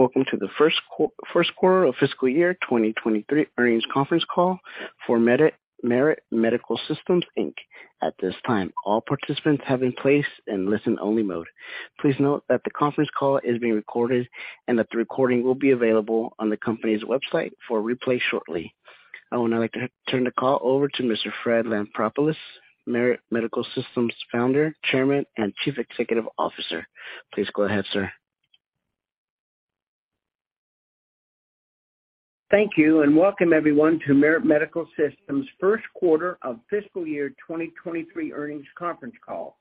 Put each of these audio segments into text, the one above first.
Welcome to the first quarter of fiscal year 2023 earnings conference call for Merit Medical Systems Inc. At this time, all participants have in place in listen only mode. Please note that the conference call is being recorded and that the recording will be available on the company's website for replay shortly. I would now like to turn the call over to Mr. Fred Lampropoulos, Merit Medical Systems Founder, Chairman, and Chief Executive Officer. Please go ahead, sir. Thank you. Welcome everyone to Merit Medical Systems' first quarter of fiscal year 2023 earnings conference call.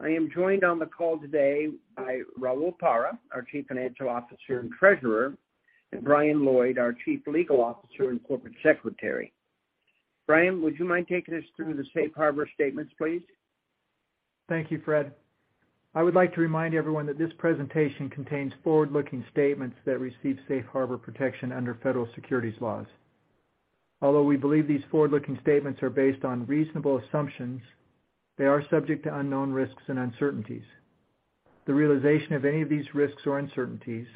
I am joined on the call today by Raul Parra, our Chief Financial Officer and Treasurer, and Brian Lloyd, our Chief Legal Officer and Corporate Secretary. Brian, would you mind taking us through the Safe Harbor statements, please? Thank you, Fred. I would like to remind everyone that this presentation contains forward-looking statements that receive Safe harbor protection under federal securities laws. Although we believe these forward-looking statements are based on reasonable assumptions, they are subject to unknown risks and uncertainties. The realization of any of these risks or uncertainties,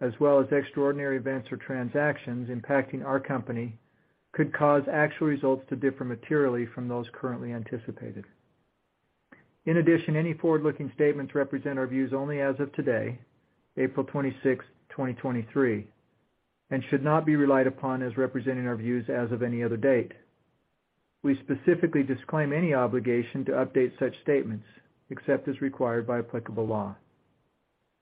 as well as extraordinary events or transactions impacting our company, could cause actual results to differ materially from those currently anticipated. In addition, any forward-looking statements represent our views only as of today, April 26th, 2023, and should not be relied upon as representing our views as of any other date. We specifically disclaim any obligation to update such statements except as required by applicable law.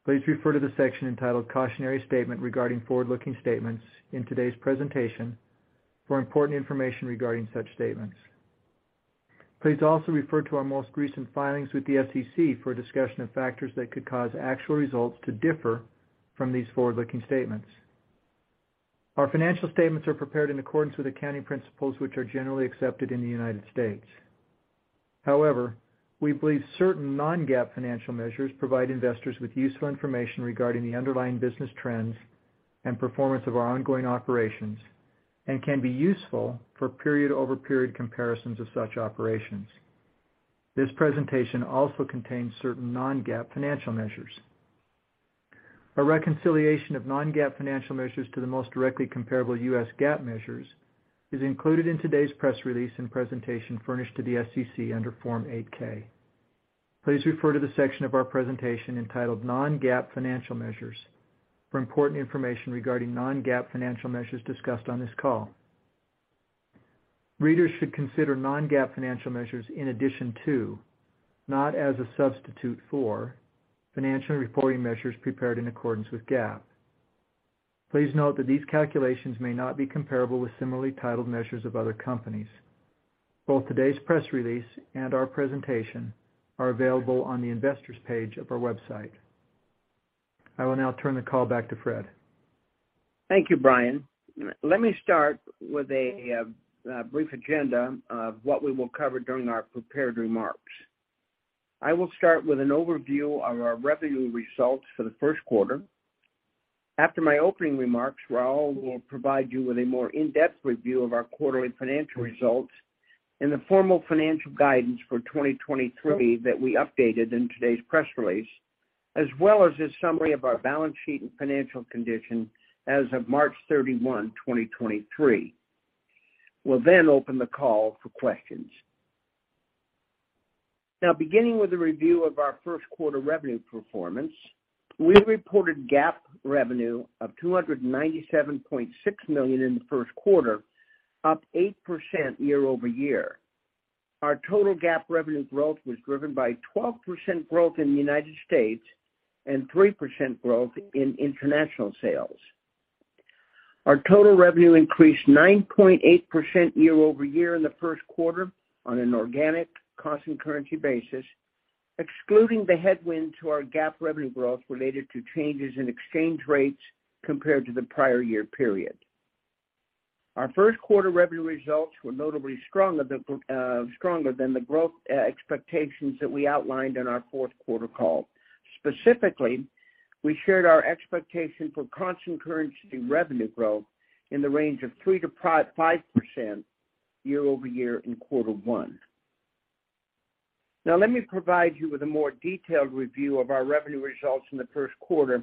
Please refer to the section entitled Cautionary Statement regarding forward-looking statements in today's presentation for important information regarding such statements. Please also refer to our most recent filings with the SEC for a discussion of factors that could cause actual results to differ from these forward-looking statements. Our financial statements are prepared in accordance with accounting principles which are generally accepted in the United States. However, we believe certain non-GAAP financial measures provide investors with useful information regarding the underlying business trends and performance of our ongoing operations and can be useful for period-over-period comparisons of such operations. This presentation also contains certain non-GAAP financial measures. A reconciliation of non-GAAP financial measures to the most directly comparable U.S. GAAP measures is included in today's press release and presentation furnished to the SEC under Form 8-K. Please refer to the section of our presentation entitled Non-GAAP Financial Measures for important information regarding non-GAAP financial measures discussed on this call. Readers should consider non-GAAP financial measures in addition to, not as a substitute for, financial reporting measures prepared in accordance with GAAP. Please note that these calculations may not be comparable with similarly titled measures of other companies. Both today's press release and our presentation are available on the investor's page of our website. I will now turn the call back to Fred. Thank you, Brian. Let me start with a brief agenda of what we will cover during our prepared remarks. I will start with an overview of our revenue results for the first quarter. After my opening remarks, Raul will provide you with a more in-depth review of our quarterly financial results and the formal financial guidance for 2023 that we updated in today's press release, as well as a summary of our balance sheet and financial condition as of March 31, 2023. We'll then open the call for questions. Beginning with a review of our first quarter revenue performance, we reported GAAP revenue of $297.6 million in the first quarter, up 8% year-over-year. Our total GAAP revenue growth was driven by 12% growth in the United States and 3% growth in international sales. Our total revenue increased 9.8% year-over-year in the first quarter on an organic constant currency basis, excluding the headwind to our GAAP revenue growth related to changes in exchange rates compared to the prior year period. Our first quarter revenue results were notably the stronger than the growth expectations that we outlined on our fourth quarter call. Specifically, we shared our expectation for constant currency revenue growth in the range of 3%-5% year-over-year in quarter one. Now, let me provide you with a more detailed review of our revenue results in the first quarter,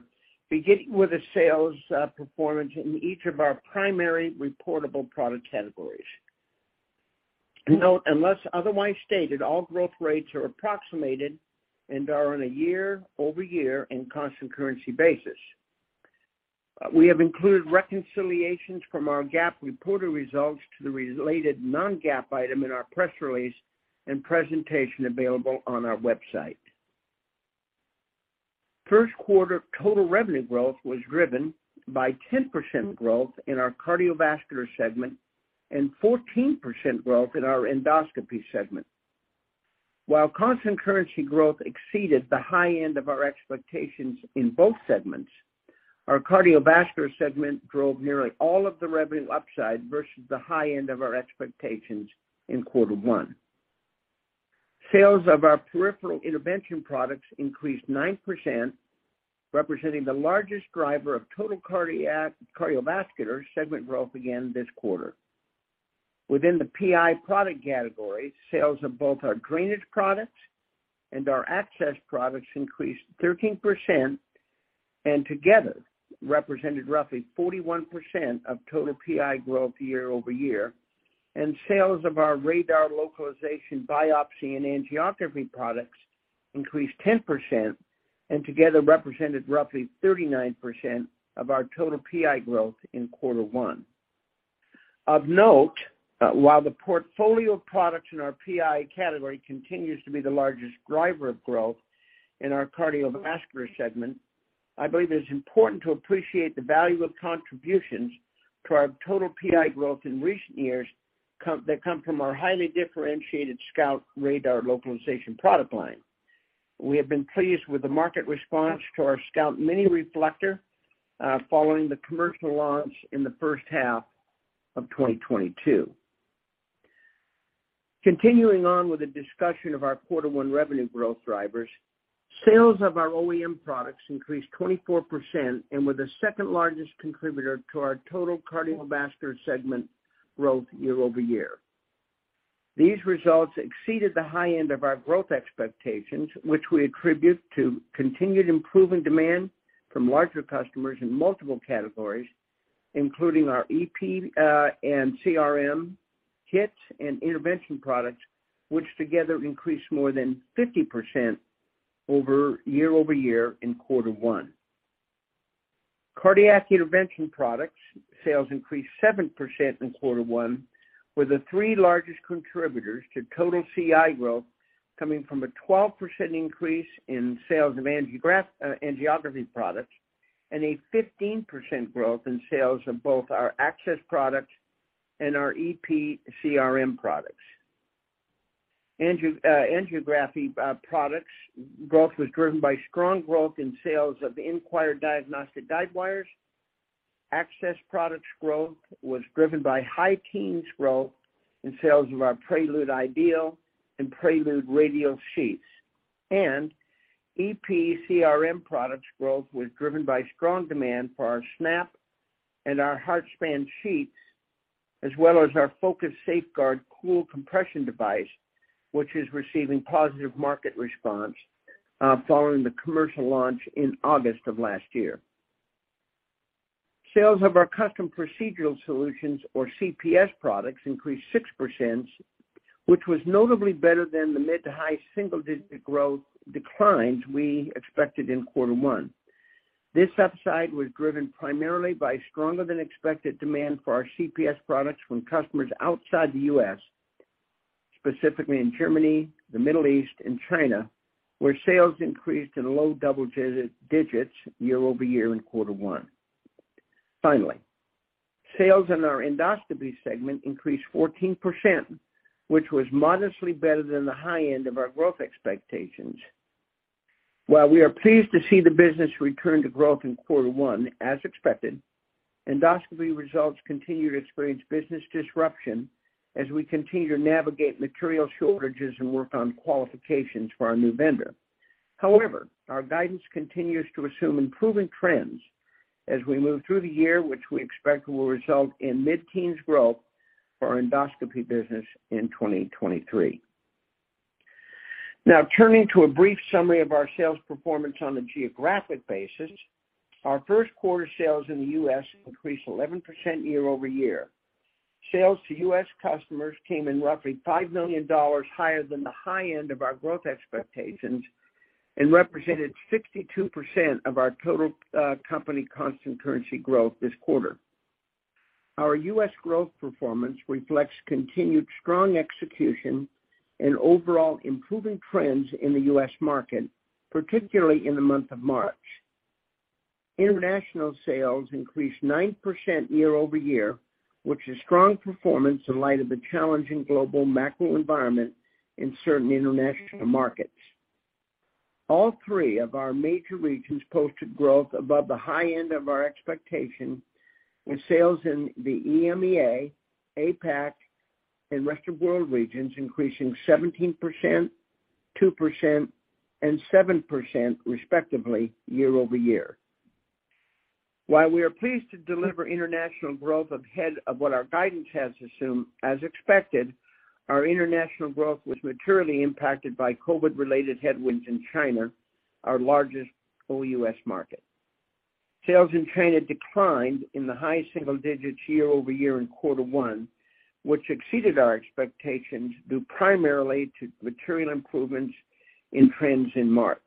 beginning with the sales performance in each of our primary reportable product categories. Note, unless otherwise stated, all growth rates are approximated and are on a year-over-year and constant currency basis. We have included reconciliations from our GAAP reported results to the related non-GAAP item in our press release and presentation available on our website. First quarter total revenue growth was driven by 10% growth in our cardiovascular segment and 14% growth in our endoscopy segment. While constant currency growth exceeded the high end of our expectations in both segments, our cardiovascular segment drove nearly all of the revenue upside versus the high end of our expectations in quarter one. Sales of our Peripheral Intervention products increased 9%, representing the largest driver of total cardiovascular segment growth again this quarter. Within the PI product category, sales of both our drainage products and our access products increased 13% and together represented roughly 41% of total PI growth year-over-year. Sales of our radar localization biopsy and angiography products increased 10% and together represented roughly 39% of our total PI growth in Q1. Of note, while the portfolio of products in our PI category continues to be the largest driver of growth in our cardiovascular segment, I believe it is important to appreciate the value of contributions to our total PI growth in recent years they come from our highly differentiated SCOUT Radar Localization product line. We have been pleased with the market response to our SCOUT Mini Reflector following the commercial launch in the first half of 2022. Continuing on with a discussion of our Q1 revenue growth drivers, sales of our OEM products increased 24% and were the second largest contributor to our total cardiovascular segment growth year-over-year. These results exceeded the high end of our growth expectations, which we attribute to continued improving demand from larger customers in multiple categories, including our EP and CRM kits and intervention products, which together increased more than 50% over year-over-year in quarter one. Cardiac intervention products sales increased 7% in quarter one, with the three largest contributors to total CI growth coming from a 12% increase in sales of angiography products and a 15% growth in sales of both our access products and our EP CRM products. angiography products growth was driven by strong growth in sales of the InQwire diagnostic guide wires. Access products growth was driven by high teens growth in sales of our Prelude IDeal and Prelude Radial sheaths. EP/CRM products growth was driven by strong demand for our SNAP and our HeartSpan sheaths, as well as our SafeGuard Focus Cool compression device, which is receiving positive market response following the commercial launch in August of last year. Sales of our Custom Procedural Solutions, or CPS products, increased 6%, which was notably better than the mid- to high single-digit growth declines we expected in Q1. This upside was driven primarily by stronger than expected demand for our CPS products from customers outside the U.S., specifically in Germany, the Middle East and China, where sales increased in low double-digits year-over-year in Q1. Finally, sales in our endoscopy segment increased 14%, which was modestly better than the high end of our growth expectations. While we are pleased to see the business return to growth in quarter one as expected, endoscopy results continue to experience business disruption as we continue to navigate material shortages and work on qualifications for our new vendor. However, our guidance continues to assume improving trends as we move through the year, which we expect will result in mid-teens growth for our endoscopy business in 2023. Now turning to a brief summary of our sales performance on a geographic basis. Our first quarter sales in the U.S. increased 11% year-over-year. Sales to U.S. customers came in roughly $5 million higher than the high end of our growth expectations and represented 62% of our total company constant currency growth this quarter. Our U.S. growth performance reflects continued strong execution and overall improving trends in the U.S. market, particularly in the month of March. International sales increased 9% year-over-year, which is strong performance in light of the challenging global macro environment in certain international markets. All three of our major regions posted growth above the high end of our expectation, with sales in the EMEA, APAC and rest of world regions increasing 17%, 2%, and 7% respectively year-over-year. While we are pleased to deliver international growth ahead of what our guidance has assumed, as expected, our international growth was materially impacted by COVID-related headwinds in China, our largest OUS market. Sales in China declined in the high single-digits year-over-year in Q1, which exceeded our expectations due primarily to material improvements in trends in March.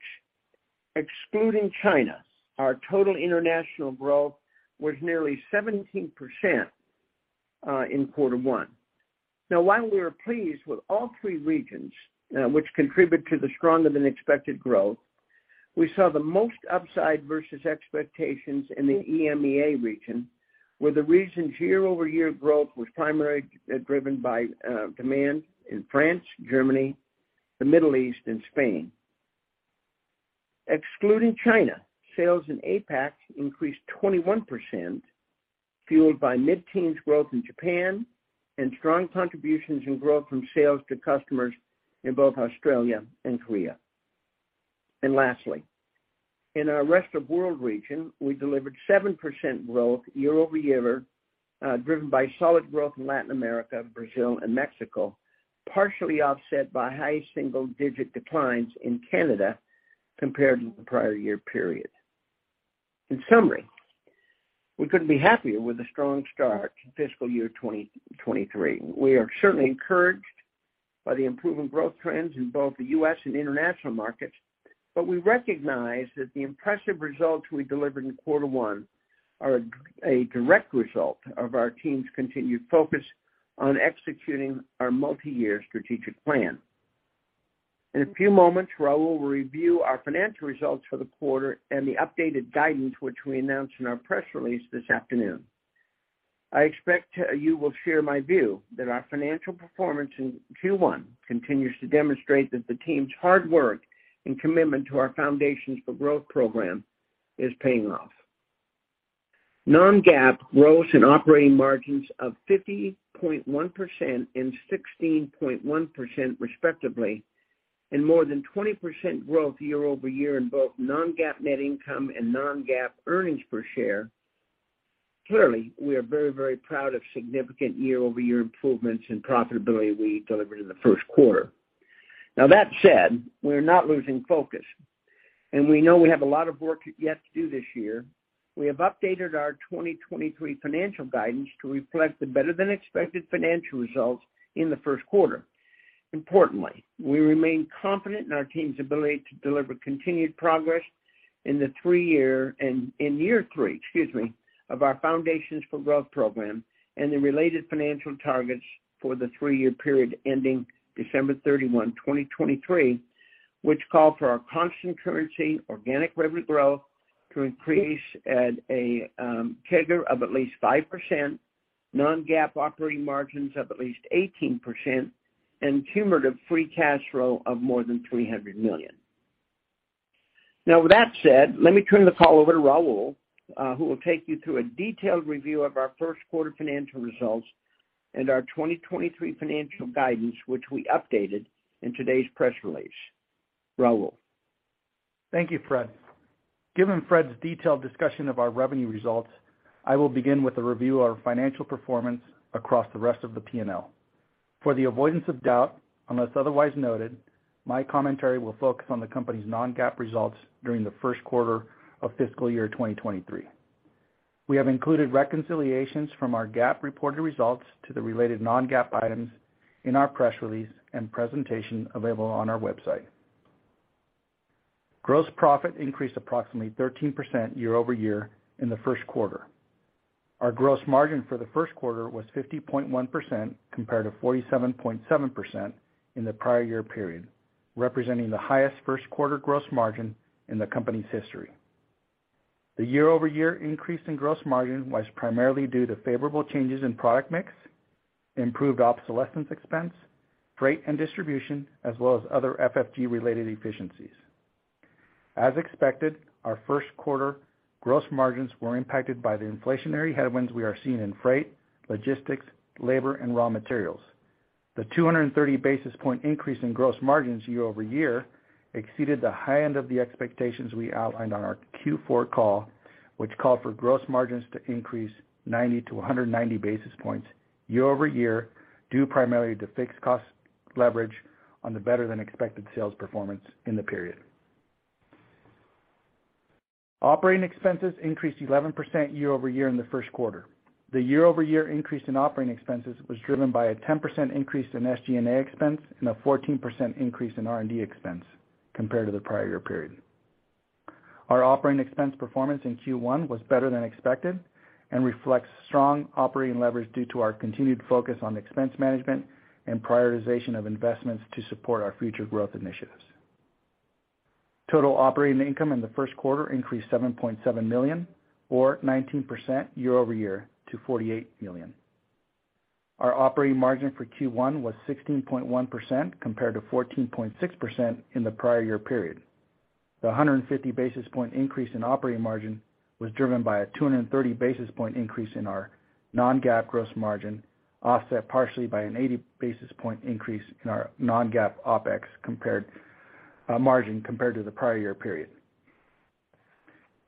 Excluding China, our total international growth was nearly 17% in Q1. Now, while we are pleased with all three regions, which contribute to the stronger than expected growth, we saw the most upside versus expectations in the EMEA region, where the region's year-over-year growth was primarily driven by demand in France, Germany, the Middle East and Spain. Excluding China, sales in APAC increased 21%, fueled by mid-teens growth in Japan and strong contributions in growth from sales to customers in both Australia and Korea. Lastly, in our rest of world region, we delivered 7% growth year-over-year, driven by solid growth in Latin America, Brazil, and Mexico, partially offset by high single-digit declines in Canada compared to the prior year period. In summary, we couldn't be happier with the strong start to fiscal year 2023. We are certainly encouraged by the improving growth trends in both the U.S. and international markets. We recognize that the impressive results we delivered in quarter one are a direct result of our team's continued focus on executing our multi-year strategic plan. In a few moments, Raul will review our financial results for the quarter and the updated guidance which we announced in our press release this afternoon. I expect you will share my view that our financial performance in Q1 continues to demonstrate that the team's hard work and commitment to our Foundations for Growth program is paying off. Non-GAAP gross and operating margins of 50.1% and 16.1% respectively, and more than 20% growth year-over-year in both non-GAAP net income and non-GAAP earnings per share. Clearly, we are very, very proud of significant year-over-year improvements in profitability we delivered in the first quarter. That said, we're not losing focus, and we know we have a lot of work yet to do this year. We have updated our 2023 financial guidance to reflect the better-than-expected financial results in the first quarter. Importantly, we remain confident in our team's ability to deliver continued progress in the three-year, and in year three, excuse me, of our Foundations for Growth program and the related financial targets for the three-year period ending December 31, 2023, which call for our constant currency organic revenue growth to increase at a CAGR of at least 5%, non-GAAP operating margins of at least 18%, and cumulative free cash flow of more than $300 million. With that said, let me turn the call over to Raul, who will take you through a detailed review of our first quarter financial results and our 2023 financial guidance, which we updated in today's press release. Raul. Thank you, Fred. Given Fred's detailed discussion of our revenue results, I will begin with a review of our financial performance across the rest of the P&L. For the avoidance of doubt, unless otherwise noted, my commentary will focus on the company's non-GAAP results during the first quarter of fiscal year 2023. We have included reconciliations from our GAAP reported results to the related non-GAAP items in our press release and presentation available on our website. Gross profit increased approximately 13% year-over-year in the first quarter. Our gross margin for the first quarter was 50.1% compared to 47.7% in the prior year period, representing the highest first quarter gross margin in the company's history. The year-over-year increase in gross margin was primarily due to favorable changes in product mix, improved obsolescence expense, freight and distribution, as well as other FFG-related efficiencies. As expected, our first quarter gross margins were impacted by the inflationary headwinds we are seeing in freight, logistics, labor, and raw materials. The 230 basis point increase in gross margins year-over-year exceeded the high end of the expectations we outlined on our Q4 call, which called for gross margins to increase 90 basis points-190 basis points year-over-year, due primarily to fixed cost leverage on the better-than-expected sales performance in the period. Operating expenses increased 11% year-over-year in the first quarter. The year-over-year increase in operating expenses was driven by a 10% increase in SG&A expense and a 14% increase in R&D expense compared to the prior year period. Our operating expense performance in Q1 was better than expected and reflects strong operating leverage due to our continued focus on expense management and prioritization of investments to support our future growth initiatives. Total operating income in the first quarter increased $7.7 million or 19% year-over-year to $48 million. Our operating margin for Q1 was 16.1% compared to 14.6% in the prior year period. The 150 basis point increase in operating margin was driven by a 230 basis point increase in our non-GAAP gross margin, offset partially by an 80 basis point increase in our non-GAAP OpEx margin compared to the prior year period.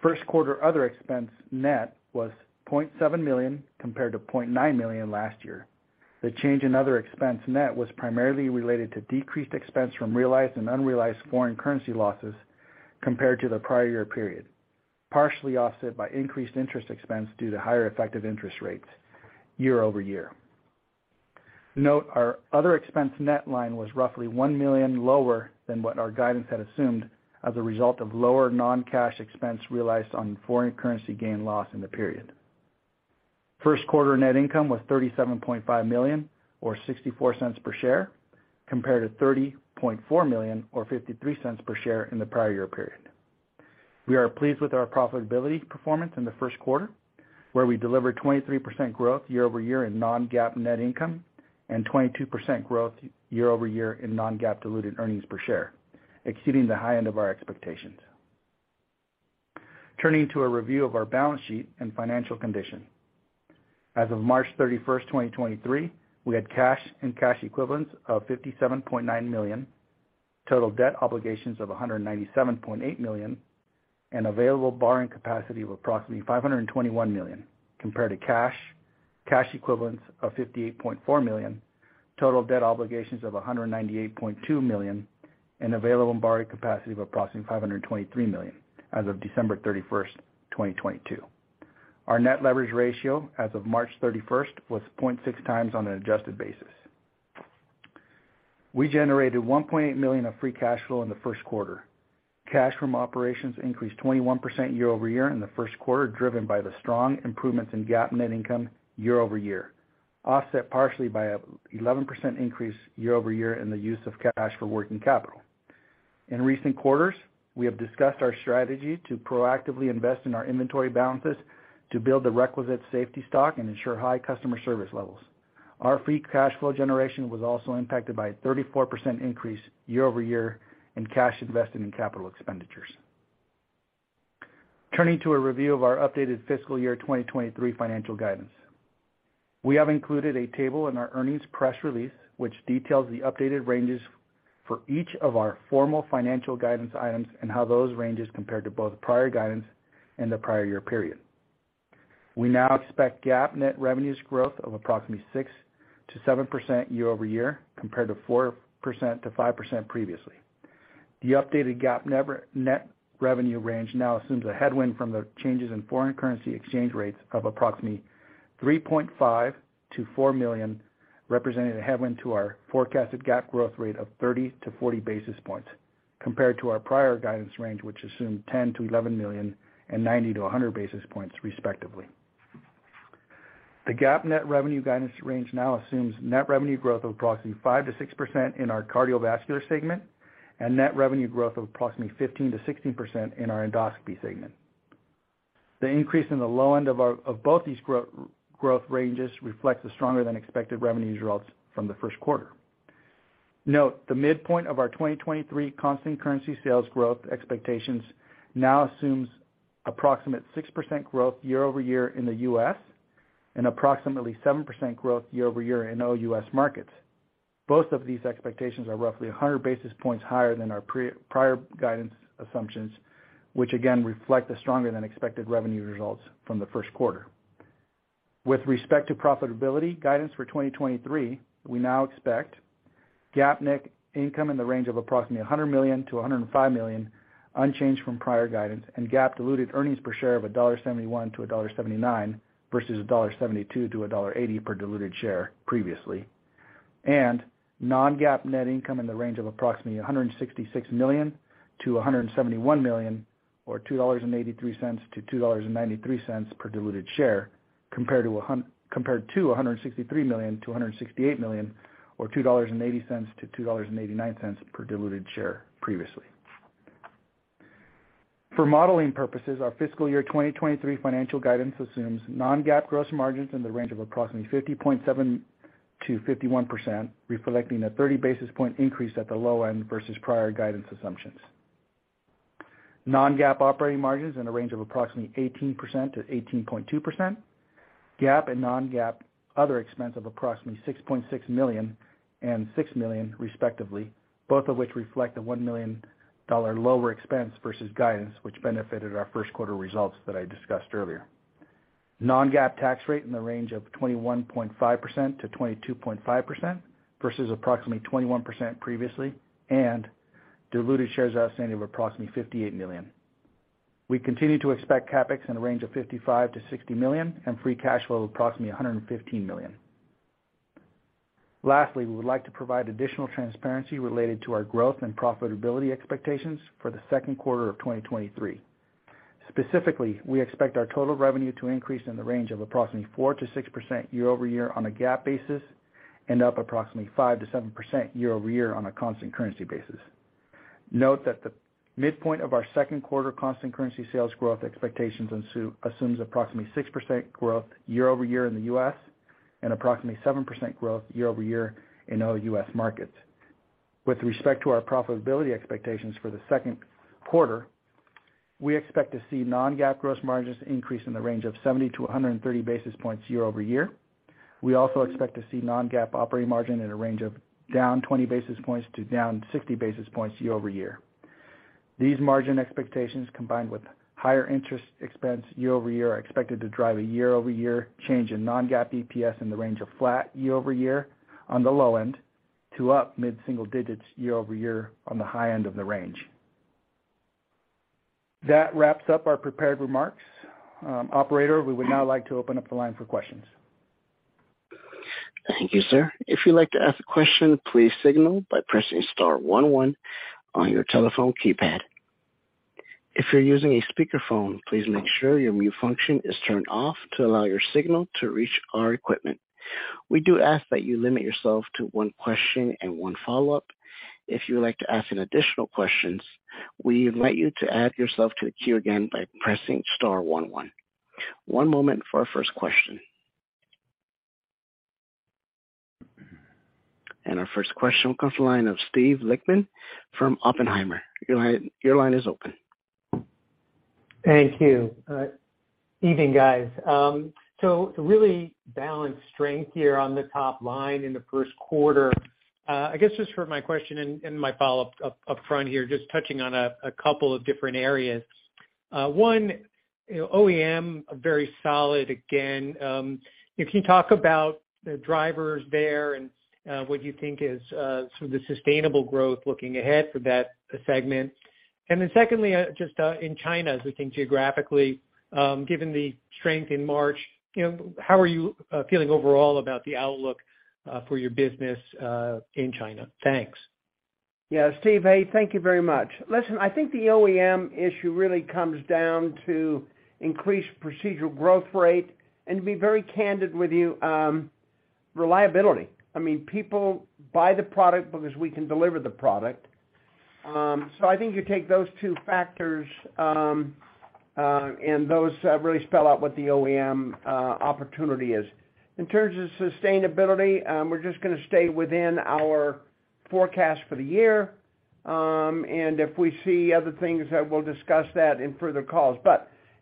First quarter other expense net was $0.7 million compared to $0.9 million last year. The change in other expense net was primarily related to decreased expense from realized and unrealized foreign currency losses compared to the prior year period, partially offset by increased interest expense due to higher effective interest rates year-over-year. Note our other expense net line was roughly $1 million lower than what our guidance had assumed as a result of lower non-cash expense realized on foreign currency gain loss in the period. First quarter net income was $37.5 million or $0.64 per share, compared to $30.4 million or $0.53 per share in the prior year period. We are pleased with our profitability performance in the first quarter, where we delivered 23% growth year-over-year in non-GAAP net income and 22% growth year-over-year in non-GAAP Diluted Earnings Per Share, exceeding the high end of our expectations. Turning to a review of our balance sheet and financial condition. As of March 31st, 2023, we had cash and cash equivalents of $57.9 million, total debt obligations of $197.8 million, and available borrowing capacity of approximately $521 million, compared to cash equivalents of $58.4 million, total debt obligations of $198.2 million, and available borrowing capacity of approximately $523 million as of December 31st, 2022. Our net leverage ratio as of March 31st was 0.6x on an adjusted basis. We generated $1.8 million of free cash flow in the first quarter. Cash from operations increased 21% year-over-year in the first quarter, driven by the strong improvements in GAAP net income year-over-year, offset partially by a 11% increase year-over-year in the use of cash for working capital. In recent quarters, we have discussed our strategy to proactively invest in our inventory balances to build the requisite safety stock and ensure high customer service levels. Our free cash flow generation was also impacted by a 34% increase year-over-year in cash invested in capital expenditures. Turning to a review of our updated fiscal year 2023 financial guidance. We have included a table in our earnings press release which details the updated ranges for each of our formal financial guidance items and how those ranges compare to both prior guidance and the prior year period. We now expect GAAP net revenues growth of approximately 6%-7% year-over-year, compared to 4%-5% previously. The updated GAAP net revenue range now assumes a headwind from the changes in foreign currency exchange rates of approximately $3.5 million-$4 million, representing a headwind to our forecasted GAAP growth rate of 30 basis points-40 basis points, compared to our prior guidance range, which assumed $10 million-$11 million and 90 basis points-100 basis points, respectively. The GAAP net revenue guidance range now assumes net revenue growth of approximately 5%-6% in our cardiovascular segment and net revenue growth of approximately 15%-16% in our endoscopy segment. The increase in the low end of both these growth ranges reflects a stronger than expected revenue results from the first quarter. Note, the midpoint of our 2023 constant currency sales growth expectations now assumes approximate 6% growth year-over-year in the U.S. and approximately 7% growth year-over-year in OUS markets. Both of these expectations are roughly 100 basis points higher than our prior guidance assumptions, which again reflect a stronger than expected revenue results from the first quarter. With respect to profitability guidance for 2023, we now expect GAAP net income in the range of approximately $100 million-$105 million, unchanged from prior guidance, and GAAP Diluted Earnings Per Share of $1.71-$1.79 versus $1.72-$1.80 per diluted share previously. And non-GAAP net income in the range of approximately $166 million-$171 million, or $2.83-$2.93 per diluted share, compared to $163 million-$168 million or $2.80-$2.89 per diluted share previously. For modeling purposes, our fiscal year 2023 financial guidance assumes non-GAAP gross margins in the range of approximately 50.7%-51%, reflecting a 30 basis point increase at the low end versus prior guidance assumptions. Non-GAAP operating margins in a range of approximately 18%-18.2%. GAAP and non-GAAP other expense of approximately $6.6 million and $6 million, respectively, both of which reflect a $1 million lower expense versus guidance, which benefited our first quarter results that I discussed earlier. Non-GAAP tax rate in the range of 21.5%-22.5% versus approximately 21% previously, and diluted shares outstanding of approximately 58 million. We continue to expect CapEx in the range of $55 million-$60 million and free cash flow of approximately $115 million. Lastly, we would like to provide additional transparency related to our growth and profitability expectations for the second quarter of 2023. Specifically, we expect our total revenue to increase in the range of approximately 4%-6% year-over-year on a GAAP basis, up approximately 5%-7% year-over-year on a constant currency basis. Note that the midpoint of our second quarter constant currency sales growth expectations assumes approximately 6% growth year-over-year in the U.S. and approximately 7% growth year-over-year in OUS markets. With respect to our profitability expectations for the second quarter, we expect to see non-GAAP gross margins increase in the range of 70 basis points-130 basis points year-over-year. We also expect to see non-GAAP operating margin in a range of down 20 basis points to down 60 basis points year-over-year. These margin expectations, combined with higher interest expense year-over-year, are expected to drive a year-over-year change in non-GAAP EPS in the range of flat year-over-year on the low end to up mid-single digits year-over-year on the high end of the range. That wraps up our prepared remarks. Operator, we would now like to open up the line for questions. Thank you, sir. If you'd like to ask a question, please signal by pressing star one one on your telephone keypad. If you're using a speakerphone, please make sure your mute function is turned off to allow your signal to reach our equipment. We do ask that you limit yourself to one question and one follow-up. If you would like to ask any additional questions, we invite you to add yourself to the queue again by pressing star one one. One moment for our first question. Our first question will comes the line of Steve Lichtman from Oppenheimer. Go ahead. Your line is open. Thank you. Evening, guys. Really balanced strength here on the top line in the first quarter. I guess just for my question and my follow-up up front here, just touching on a couple of different areas. One, you know, OEM, very solid again. If you talk about the drivers there and what you think is sort of the sustainable growth looking ahead for that segment. Secondly, just in China, as we think geographically, given the strength in March, you know, how are you feeling overall about the outlook for your business in China? Thanks. Yeah, Steve, hey, thank you very much. Listen, I think the OEM issue really comes down to increased procedural growth rate and, to be very candid with you, reliability. I mean, people buy the product because we can deliver the product. I think you take those two factors, and those really spell out what the OEM opportunity is. In terms of sustainability, we're just gonna stay within our forecast for the year, and if we see other things, we'll discuss that in further calls.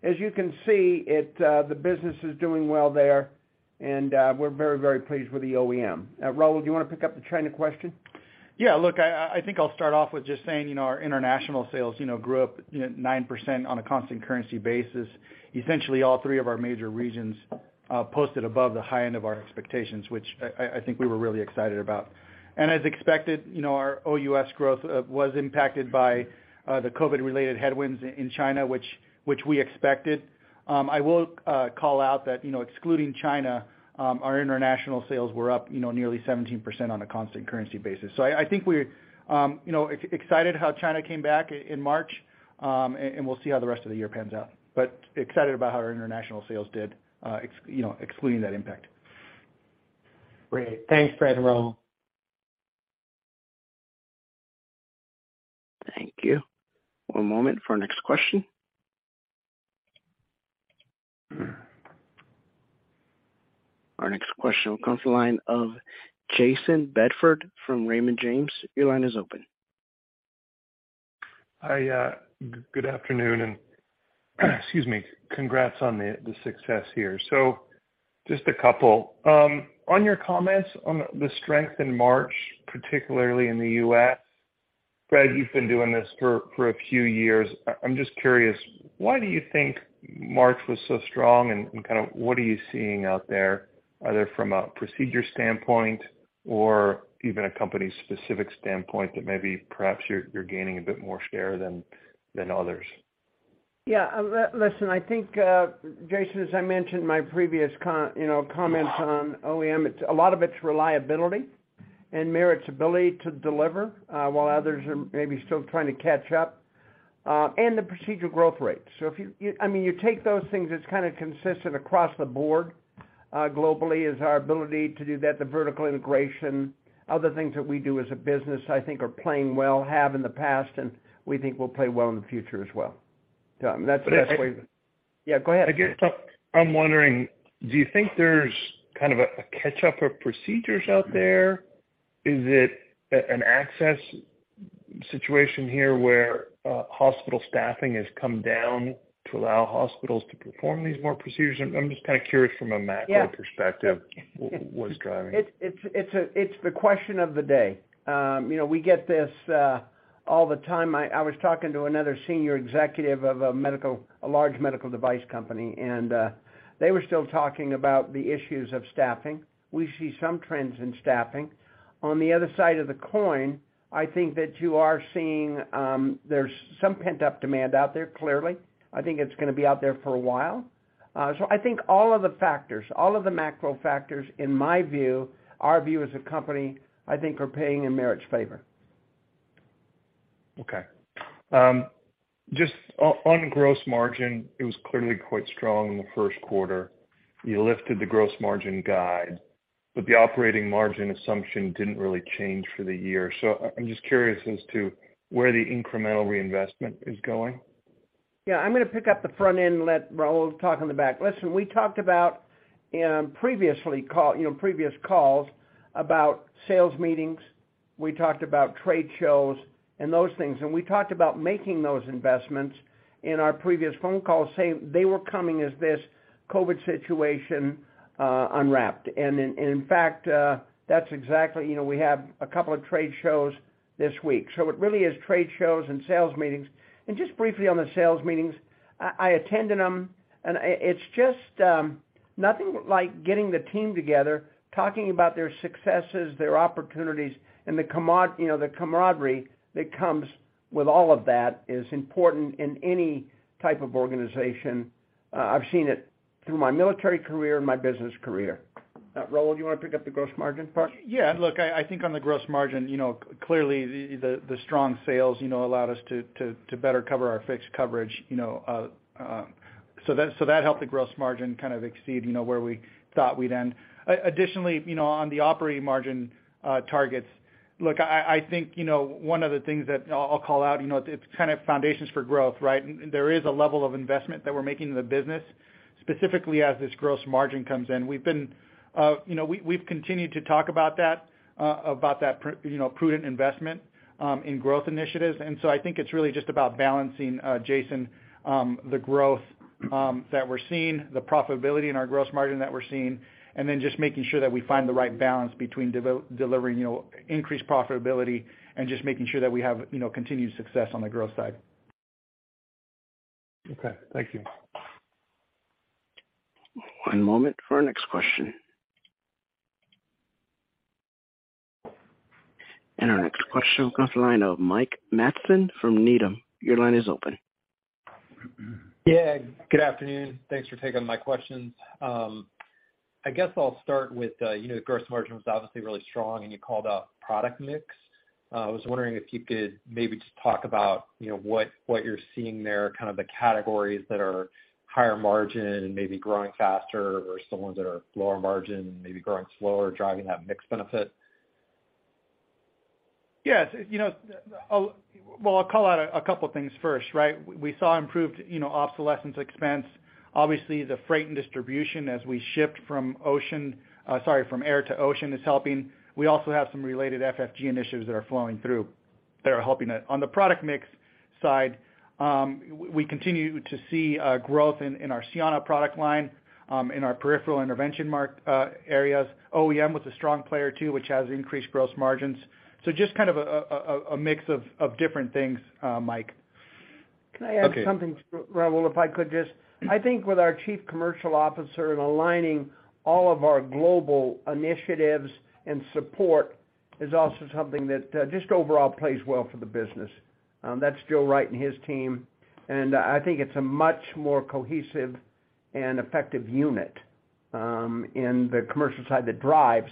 As you can see, it, the business is doing well there and, we're very, very pleased with the OEM. Raul, do you wanna pick up the China question? Yeah. Look, I think I'll start off with just saying, you know, our international sales, you know, grew up 9% on a constant currency basis. Essentially all three of our major regions posted above the high end of our expectations, which I think we were really excited about. As expected, you know, our OUS growth was impacted by the COVID-related headwinds in China which we expected. I will call out that, you know, excluding China, our international sales were up, you know, nearly 17% on a constant currency basis. I think we're, you know, excited how China came back in March, and we'll see how the rest of the year pans out. Excited about how our international sales did, you know, excluding that impact. Great. Thanks, Fred and Raul. Thank you. One moment for our next question. Our next question comes the line of Jayson Bedford from Raymond James. Your line is open. Hi, good afternoon and, excuse me, congrats on the success here. Just a couple. On your comments on the strength in March, particularly in the U.S., Fred, you've been doing this for a few years. I'm just curious, why do you think March was so strong and kind of what are you seeing out there, either from a procedure standpoint or even a company-specific standpoint that maybe perhaps you're gaining a bit more share than others? Yeah. listen, I think, Jason, as I mentioned in my previous you know, comments on OEM, a lot of it's reliability and Merit's ability to deliver, while others are maybe still trying to catch up, and the procedure growth rate. I mean, you take those things, it's kinda consistent across the board, globally is our ability to do that, the vertical integration, other things that we do as a business, I think are playing well, have in the past, and we think will play well in the future as well. That's the best way- But, uh- Yeah, go ahead. I guess I'm wondering, do you think there's kind of a catch-up of procedures out there? Is it an access situation here where hospital staffing has come down to allow hospitals to perform these more procedures? I'm just kinda curious from a macro perspective. Yeah. What's driving it? It's the question of the day. You know, we get this all the time. I was talking to another senior executive of a large medical device company. They were still talking about the issues of staffing. We see some trends in staffing. On the other side of the coin, I think that you are seeing, there's some pent-up demand out there, clearly. I think it's gonna be out there for a while. I think all of the factors, all of the macro factors in my view, our view as a company, I think, are playing in Merit's favor. Okay. Just on gross margin, it was clearly quite strong in the first quarter. You lifted the gross margin guide, the operating margin assumption didn't really change for the year. I'm just curious as to where the incremental reinvestment is going. Yeah. I'm gonna pick up the front end and let Raul talk on the back. Listen, we talked about in previous calls about sales meetings. We talked about trade shows and those things. We talked about making those investments in our previous phone calls, saying they were coming as this COVID situation unwrapped. In fact, you know, we have a couple of trade shows this week. It really is trade shows and sales meetings. Just briefly on the sales meetings, I attended them and it's just nothing like getting the team together, talking about their successes, their opportunities and you know, the camaraderie that comes with all of that is important in any type of organization. I've seen it through my military career and my business career. Raul, do you wanna pick up the gross margin part? Yeah. Look, I think on the gross margin, you know, clearly the strong sales, you know, allowed us to better cover our fixed coverage, you know, so that helped the gross margin kind of exceed, you know, where we thought we'd end. Additionally, you know, on the operating margin targets. Look, I think, you know, one of the things that I'll call out, you know, it's kind of Foundations for Growth, right? There is a level of investment that we're making in the business, specifically as this gross margin comes in. We've been, you know, we've continued to talk about that prudent investment, in growth initiatives. I think it's really just about balancing, Jason, the growth that we're seeing, the profitability and our gross margin that we're seeing, and then just making sure that we find the right balance between delivering, you know, increased profitability and just making sure that we have, you know, continued success on the growth side. Okay, thank you. One moment for our next question. Our next question comes the line of Mike Matson from Needham. Your line is open. Yeah, good afternoon. Thanks for taking my questions. I guess I'll start with, you know, gross margin was obviously really strong, and you called out product mix. I was wondering if you could maybe just talk about, you know, what you're seeing there, kind of the categories that are higher margin and maybe growing faster or some ones that are lower margin and maybe growing slower, driving that mix benefit. Yes. You know, I'll call out a couple of things first, right? We saw improved, you know, obsolescence expense. Obviously, the freight and distribution as we shift from ocean, sorry, from air to ocean is helping. We also have some related FFG initiatives that are flowing through that are helping it. On the product mix side, we continue to see growth in our Cianna product line, in our Peripheral Intervention mark areas. OEM was a strong player, too, which has increased gross margins. Just kind of a mix of different things, Mike. Can I add something, Raul, if I could just? I think with our Chief Commercial Officer and aligning all of our global initiatives and support is also something that just overall plays well for the business. That's Joe Wright and his team. I think it's a much more cohesive and effective unit in the commercial side that drives.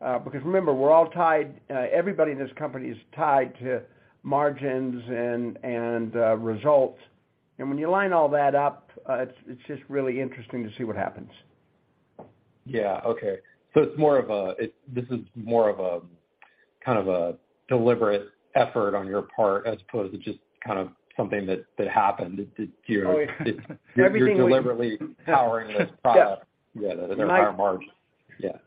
Because remember, we're all tied, everybody in this company is tied to margins and results. When you line all that up, it's just really interesting to see what happens. Yeah, okay. it's more of a... This is more of a, kind of a deliberate effort on your part as opposed to just kind of something that happened. Oh, yeah. Everything You're deliberately powering this product. Yeah. That is our margin. Yeah.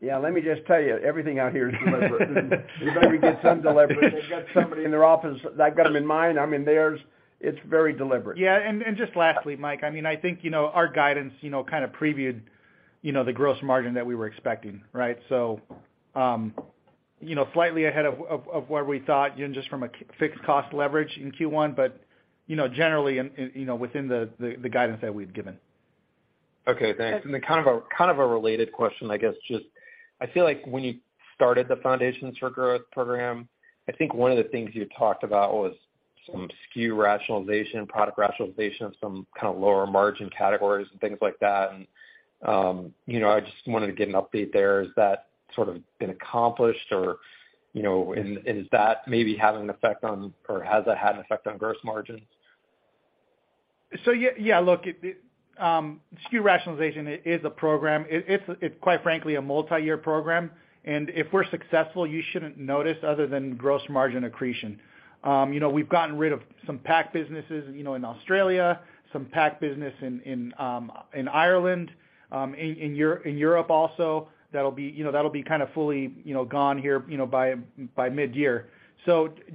Yeah. Let me just tell you, everything out here is deliberate. Everybody gets undeliberate. They've got somebody in their office that got them in mind. I mean, It's very deliberate. Yeah. Just lastly, Mike, I mean, I think, you know, our guidance, you know, kind of previewed, you know, the gross margin that we were expecting, right? Slightly ahead of where we thought even just from a fixed cost leverage in Q1. Generally, you know, within the guidance that we've given. Okay, thanks. Kind of a related question, I guess, just I feel like when you started the Foundations for Growth program, I think one of the things you talked about was some SKU rationalization, product rationalization, some kind of lower margin categories and things like that. You know, I just wanted to get an update there. Is that sort of been accomplished? You know, is that maybe having an effect on or has that had an effect on gross margins? Yeah, look, it, SKU rationalization is a program. It, it's, quite frankly, a multi-year program, and if we're successful, you shouldn't notice other than gross margin accretion. You know, we've gotten rid of some PAC businesses, you know, in Australia, some PAC business in Ireland, in Europe also. That'll be, you know, that'll be kind of fully, you know, gone here, you know, by mid-year.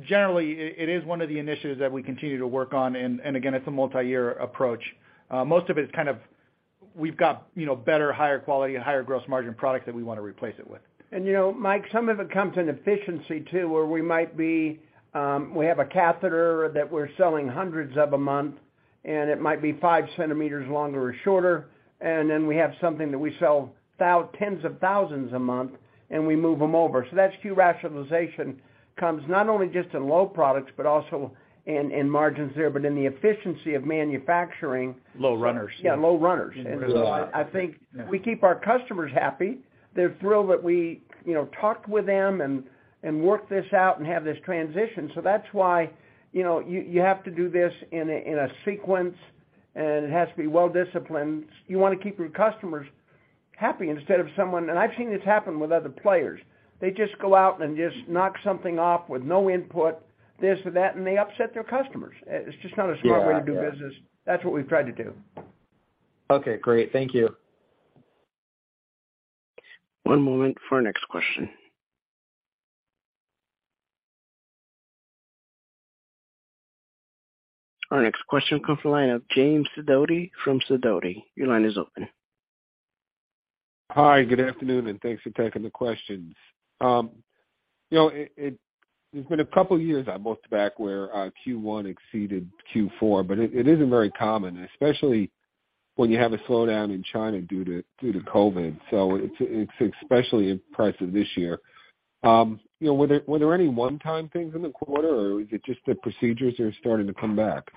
Generally, it is one of the initiatives that we continue to work on, and again, it's a multi-year approach. Most of it is kind of we've got, you know, better, higher quality and higher gross margin products that we wanna replace it with. You know, Mike, some of it comes in efficiency too, where we might be, we have a catheter that we're selling hundreds of a month, and it might be 5 centimeters longer or shorter. Then we have something that we sell tens of thousands a month, and we move them over. That SKU rationalization comes not only just in low products, but also in margins there, but in the efficiency of manufacturing... Low runners. Yeah, low runners. Mm-hmm. I think we keep our customers happy. They're thrilled that we, you know, talked with them and worked this out and have this transition. That's why, you know, you have to do this in a sequence, and it has to be well-disciplined. You wanna keep your customers happy instead of someone. I've seen this happen with other players. They just go out and knock something off with no input, this or that, and they upset their customers. It's just not a smart way to do business. Yeah. That's what we've tried to do. Okay, great. Thank you. One moment for our next question. Our next question comes the line of James Sidoti from Sidoti. Your line is open. Hi, good afternoon, thanks for taking the questions. you know, there's been a couple of years I looked back where Q1 exceeded Q4, but it isn't very common, especially when you have a slowdown in China due to COVID. it's especially impressive this year. you know, were there any one-time things in the quarter, or is it just the procedures are starting to come back?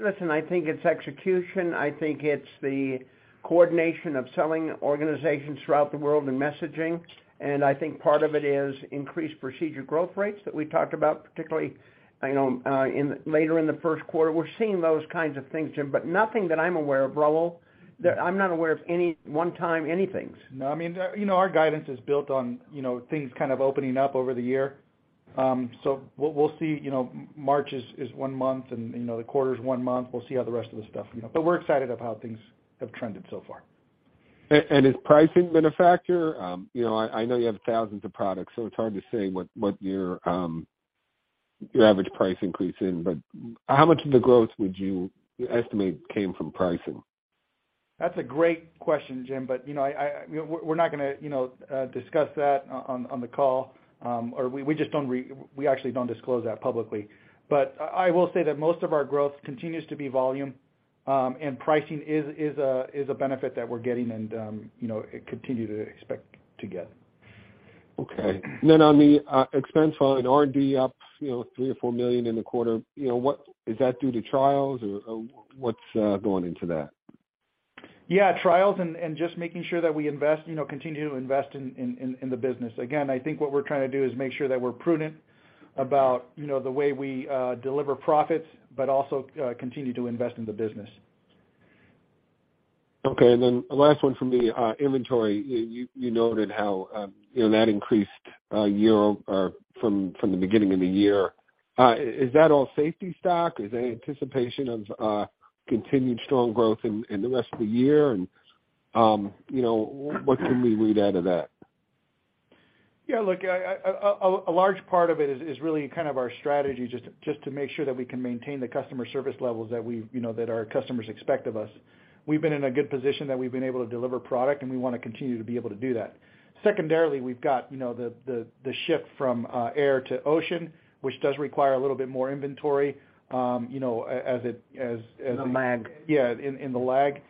Listen, I think it's execution. I think it's the coordination of selling organizations throughout the world and messaging. I think part of it is increased procedure growth rates that we talked about, particularly, I know, in later in the first quarter. We're seeing those kinds of things, Jim, but nothing that I'm aware of. Raul? I'm not aware of any one-time anythings. No, I mean, you know, our guidance is built on, you know, things kind of opening up over the year. We'll, we'll see, you know, March is one month and, you know, the quarter's one month. We'll see how the rest of the stuff, you know, but we're excited of how things have trended so far. Has pricing been a factor? You know, I know you have thousands of products, so it's hard to say what your average price increase in, but how much of the growth would you estimate came from pricing? That's a great question, Jim, but you know, I we're not gonna, you know, discuss that on the call, or we just don't we actually don't disclose that publicly. I will say that most of our growth continues to be volume, and pricing is a benefit that we're getting and, you know, continue to expect to get. Okay. on the expense front, R&D up, you know, $3 million or $4 million in the quarter. Is that due to trials or what's going into that? Yeah, trials and just making sure that we invest, you know, continue to invest in the business. Again, I think what we're trying to do is make sure that we're prudent about, you know, the way we deliver profits, but also continue to invest in the business. Okay. Last one for me, inventory. You noted how, you know, that increased from the beginning of the year. Is that all safety stock? Is that anticipation of continued strong growth in the rest of the year? What can we read out of that? Yeah, look, a large part of it is really kind of our strategy just to make sure that we can maintain the customer service levels that we, you know, that our customers expect of us. We've been in a good position that we've been able to deliver product, and we wanna continue to be able to do that. Secondarily, we've got, you know, the shift from air to ocean, which does require a little bit more inventory, you know, as it. The lag. Yeah, in the lag.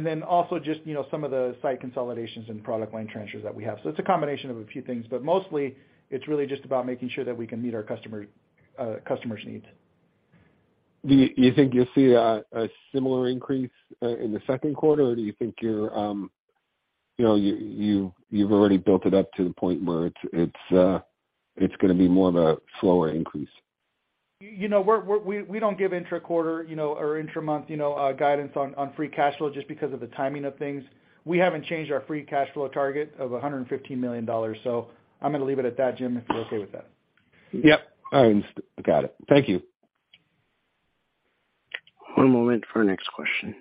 Then also just, you know, some of the site consolidations and product line transfers that we have. It's a combination of a few things, but mostly it's really just about making sure that we can meet our customer's needs. Do you think you'll see a similar increase in the second quarter? Or do you think you're, you know, you've already built it up to the point where it's gonna be more of a slower increase? You know, we don't give intra-quarter, you know, or intra-month, you know, guidance on free cash flow just because of the timing of things. We haven't changed our free cash flow target of $115 million. I'm gonna leave it at that, Jim, if you're okay with that. Yep. Understood. Got it. Thank you. One moment for our next question.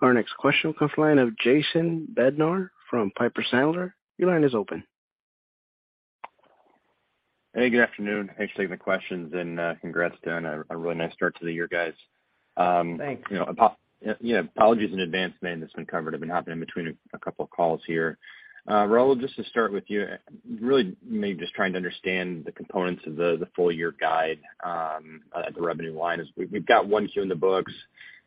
Our next question will come from the line of Jason Bednar from Piper Sandler. Your line is open. Hey, good afternoon. Thanks for taking the questions and congrats to a really nice start to the year, guys. Thanks. You know, apologies in advance, man, this been covered. I've been hopping in between a couple of calls here. Raul, just to start with you, really maybe just trying to understand the components of the full year guide at the revenue line. As we've got 1Q in the books,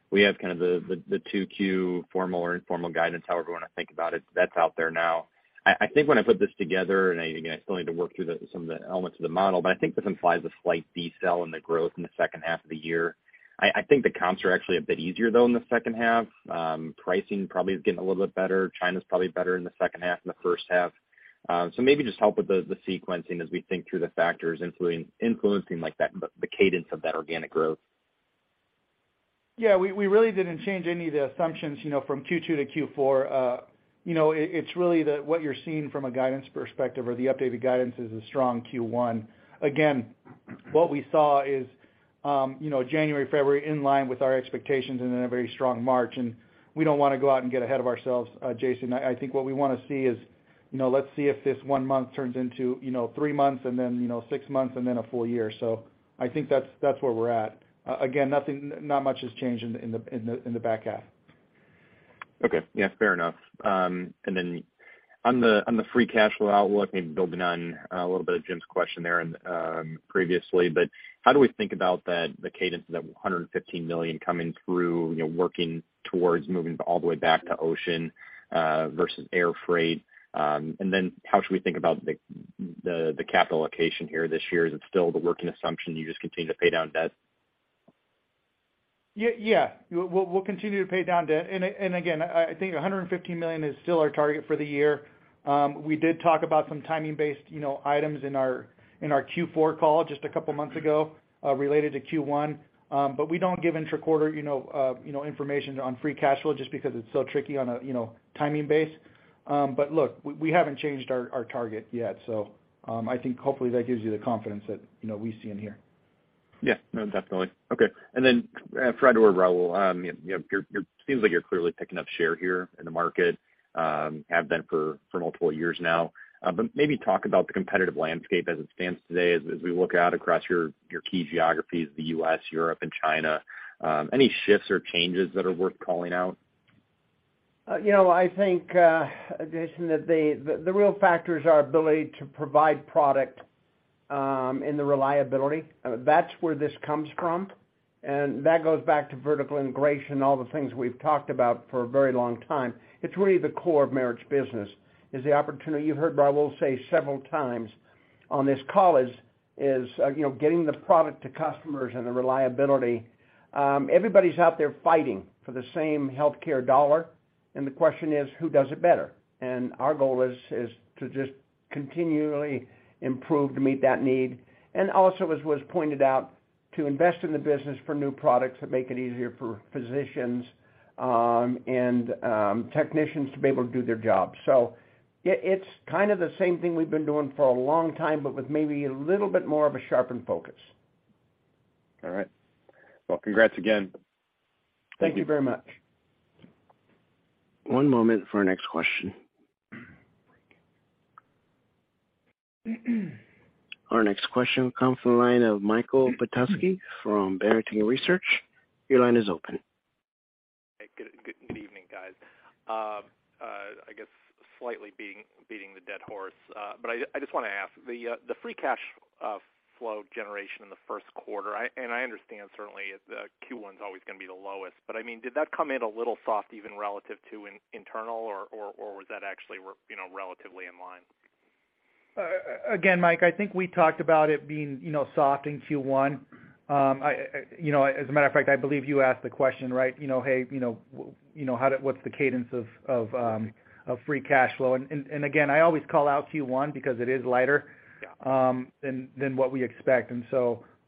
we have kind of the 2Q formal or informal guidance, however you wanna think about it, that's out there now. I think when I put this together and, again, I still need to work through some of the elements of the model, but I think this implies a slight decel in the growth in the second half of the year. I think the comps are actually a bit easier though in the second half. Pricing probably is getting a little bit better. China's probably better in the second half than the first half. maybe just help with the sequencing as we think through the factors influencing like that, the cadence of that organic growth. Yeah, we really didn't change any of the assumptions, you know, from Q2-Q4. you know, it's really what you're seeing from a guidance perspective or the updated guidance is a strong Q1. Again, what we saw is, you know, January, February in line with our expectations and then a very strong March. We don't wanna go out and get ahead of ourselves, Jason. I think what we wanna see is, you know let's see if this one month turns into, you know, three months and then, you know, six months and then a full year. I think that's where we're at. Again, nothing, not much has changed in the back half. Okay. Yeah, fair enough. On the, on the free cash flow outlook, maybe building on a little bit of Jim's question there in, previously, how do we think about the cadence of the $115 million coming through, you know, working towards moving all the way back to ocean, versus air freight? How should we think about the, the capital allocation here this year? Is it still the working assumption you just continue to pay down debt? Yeah. We'll continue to pay down debt. Again, I think $115 million is still our target for the year. We did talk about some timing-based, you know, items in our Q4 call just a couple months ago, related to Q1. We don't give intra-quarter, you know, information on free cash flow just because it's so tricky on a, you know, timing base. Look, we haven't changed our target yet, I think hopefully that gives you the confidence that, you know, we see in here. Yeah. No, definitely. Okay. Fred or Raul, you know, you're clearly picking up share here in the market, have been for multiple years now. Maybe talk about the competitive landscape as it stands today as we look out across your key geographies, the U.S., Europe, and China. Any shifts or changes that are worth calling out? You know, I think, Jason, that the real factor is our ability to provide product, and the reliability. That's where this comes from, and that goes back to vertical integration and all the things we've talked about for a very long time. It's really the core of Merit's business, is the opportunity you heard Raul say several times on this call is, you know, getting the product to customers and the reliability. Everybody's out there fighting for the same healthcare dollar, and the question is, who does it better? Our goal is to just continually improve to meet that need, and also, as was pointed out, to invest in the business for new products that make it easier for physicians, and technicians to be able to do their job. It's kind of the same thing we've been doing for a long time, but with maybe a little bit more of a sharpened focus. All right. Well, congrats again. Thank you very much. One moment for our next question. Our next question comes from the line of Michael Petusky from Barrington Research. Your line is open. Hey, good evening, guys. I guess slightly beating the dead horse. I just wanna ask the free cash flow generation in the first quarter, and I understand certainly that Q1 is always gonna be the lowest, but I mean, did that come in a little soft even relative to internal or was that actually work, you know, relatively in line? Again, Mike, I think we talked about it being, you know, soft in Q1. I, you know, as a matter of fact, I believe you asked the question, right? You know, "Hey, you know, what's the cadence of free cash flow?" Again, I always call out Q1 because it is lighter- Yeah. than what we expect.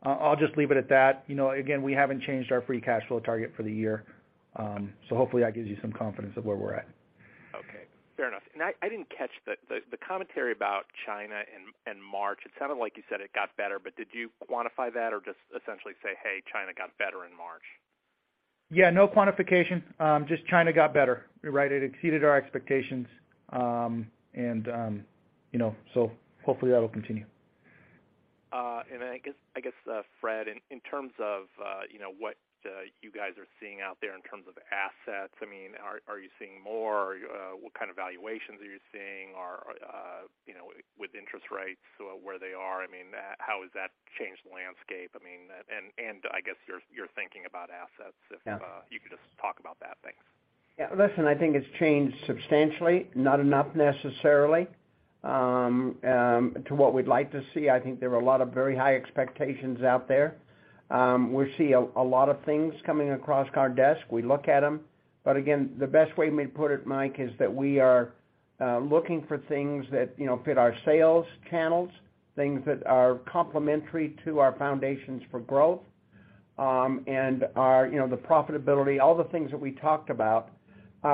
I'll just leave it at that. You know, again, we haven't changed our free cash flow target for the year. Hopefully that gives you some confidence of where we're at. Okay. Fair enough. I didn't catch the, the commentary about China in March. It sounded like you said it got better, but did you quantify that or just essentially say, "Hey, China got better in March? Yeah, no quantification. Just China got better. You're right, it exceeded our expectations. You know, so hopefully that'll continue. I guess Fred, in terms of, you know, what you guys are seeing out there in terms of assets, I mean, are you seeing more? What kind of valuations are you seeing? Or, you know, with interest rates where they are, I mean, how has that changed the landscape? I mean, and I guess your thinking about assets? Yeah. You could just talk about that. Thanks. Yeah. Listen, I think it's changed substantially, not enough necessarily, to what we'd like to see. I think there were a lot of very high expectations out there. We see a lot of things coming across our desk. We look at them. Again, the best way we put it, Mike, is that we are looking for things that, you know, fit our sales channels, things that are complementary to our Foundations for Growth, and are, you know, the profitability, all the things that we talked about.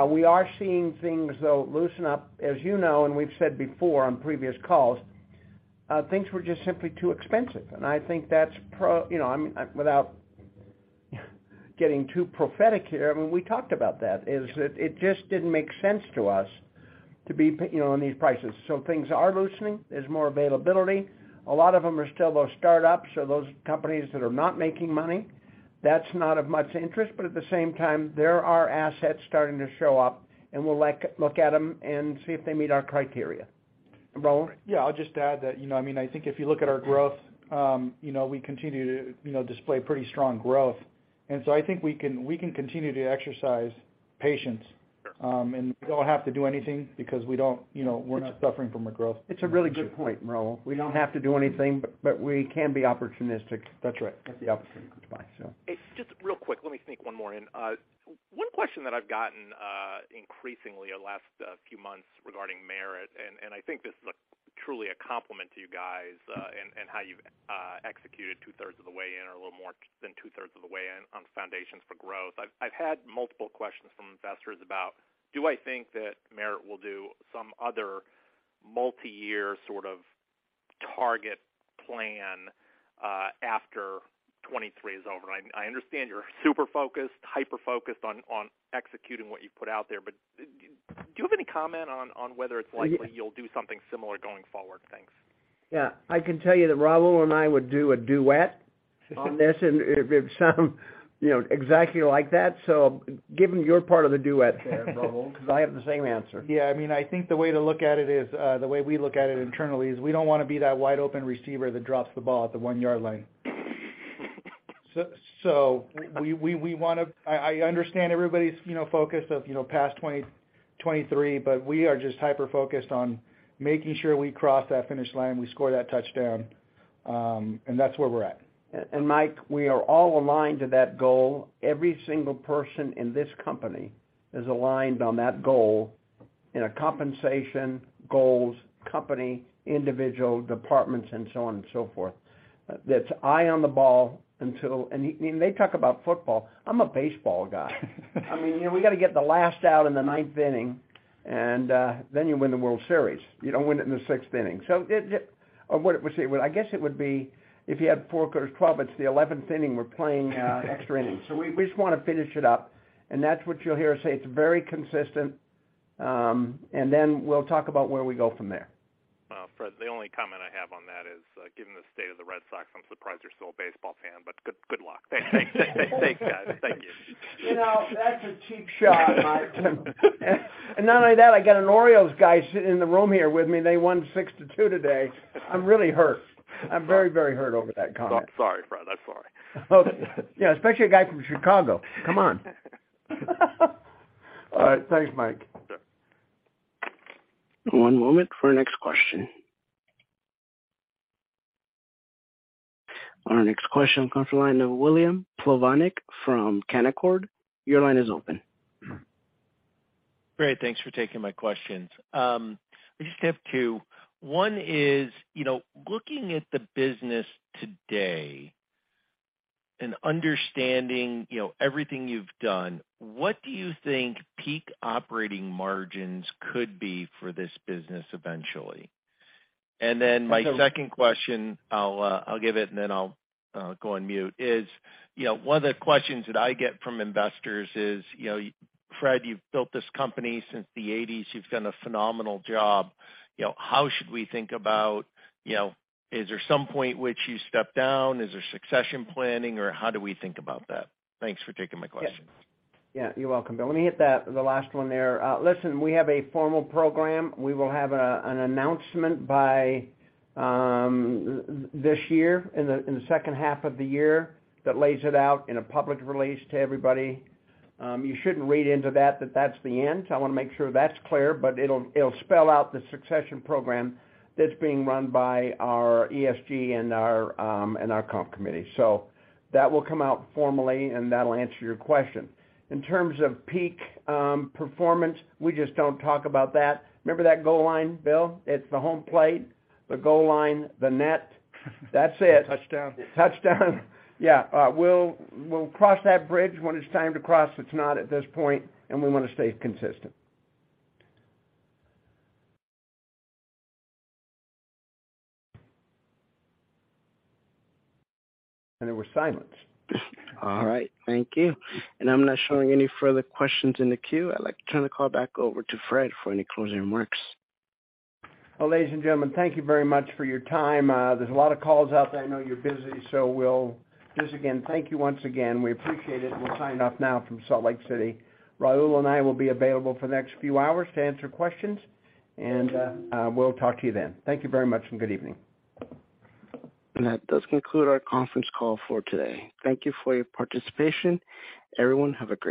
We are seeing things though loosen up. As you know, and we've said before on previous calls, things were just simply too expensive. I think that's you know, without getting too prophetic here, I mean, we talked about that, it just didn't make sense to us to be, you know, on these prices. Things are loosening. There's more availability. A lot of them are still those startups or those companies that are not making money. That's not of much interest, but at the same time, there are assets starting to show up, and we'll like, look at them and see if they meet our criteria. Raul? Yeah, I'll just add that, you know, I mean, I think if you look at our growth, you know, we continue to, you know, display pretty strong growth. I think we can continue to exercise patience, and we don't have to do anything because we don't, you know, we're not suffering from a growth. It's a really good point, Raul. We don't have to do anything, but we can be opportunistic. That's right. If the opportunity comes by, so. Just real quick. Let me sneak one more in. One question that I've gotten increasingly the last few months regarding Merit, and I think this is truly a compliment to you guys, and how you've executed 2/3 of the way in or a little more than 2/3 of the way in on the Foundations for Growth. I've had multiple questions from investors about, do I think that Merit will do some other multi-year sort of target plan after 2023 is over? I understand you're super focused, hyper-focused on executing what you've put out there. Do you have any comment on whether it's likely you'll do something similar going forward? Thanks. Yeah. I can tell you that Raul and I would do a duet on this, and it sound, you know, exactly like that. Give him your part of the duet there, Raul, 'cause I have the same answer. Yeah. I mean, I think the way to look at it is, the way we look at it internally is we don't wanna be that wide-open receiver that drops the ball at the one-yard line. We wanna. I understand everybody's, you know, focus of, you know, past 2023, but we are just hyper-focused on making sure we cross that finish line, we score that touchdown, and that's where we're at. Mike, we are all aligned to that goal. Every single person in this company is aligned on that goal in a compensation, goals, company, individual, departments, and so on and so forth. That's eye on the ball until... You know, they talk about football. I'm a baseball guy. I mean, you know, we gotta get the last out in the ninth inning, then you win the World Series. You don't win it in the sixth inning. Or what it would say, well, I guess it would be, if you had four quarters, 12, it's the 11th inning, we're playing extra innings. We just wanna finish it up, and that's what you'll hear us say. It's very consistent, and then we'll talk about where we go from there. Fred, the only comment I have on that is, given the state of the Red Sox, I'm surprised you're still a baseball fan, but good luck. Thanks. Thanks, guys. Thank you. You know, that's a cheap shot, Mike. Not only that, I got an Orioles guy sitting in the room here with me, and they won six to two today. I'm really hurt. I'm very, very hurt over that comment. I'm sorry, Fred. I'm sorry. Yeah, especially a guy from Chicago. Come on. All right. Thanks, Mike. One moment for our next question. Our next question comes from the line of William Plovanic from Canaccord. Your line is open. Great. Thanks for taking my questions. I just have two. One is, you know, looking at the business today and understanding, you know, everything you've done, what do you think peak operating margins could be for this business eventually? My second question, I'll give it and then I'll, go on mute, is, you know, one of the questions that I get from investors is, you know, Fred, you've built this company since the 80s, you've done a phenomenal job. You know, how should we think about, you know, is there some point which you step down? Is there succession planning, or how do we think about that? Thanks for taking my questions. Yeah, you're welcome. Let me hit that, the last one there. Listen, we have a formal program. We will have an announcement by this year in the second half of the year that lays it out in a public release to everybody. You shouldn't read into that that's the end. I wanna make sure that's clear, but it'll spell out the succession program that's being run by our ESG and our comp committee. That will come out formally and that'll answer your question. In terms of peak performance, we just don't talk about that. Remember that goal line, Bill? It's the home plate, the goal line, the net. That's it. Touchdown. Touchdown. Yeah. We'll cross that bridge when it's time to cross. It's not at this point, and we wanna stay consistent. There was silence. All right. Thank you. I'm not showing any further questions in the queue. I'd like to turn the call back over to Fred for any closing remarks. Well, ladies and gentlemen, thank you very much for your time. There's a lot of calls out there. I know you're busy, we'll just again thank you once again. We appreciate it, and we'll sign off now from Salt Lake City. Raul and I will be available for the next few hours to answer questions, and we'll talk to you then. Thank you very much and good evening. That does conclude our conference call for today. Thank you for your participation. Everyone, have a great evening.